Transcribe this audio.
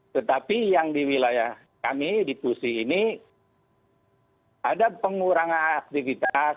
tetapi yang di wilayah kami di pusi ini ada pengurangan aktivitas